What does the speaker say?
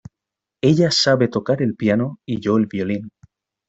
Ella sabe tocar el piano, y yo el violín.